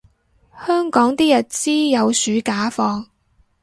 香港啲日資有暑假放